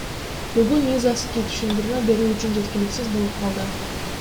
Бүгүн Низовский түшүндүрмө берүү үчүн жеткиликсиз болуп чыкты.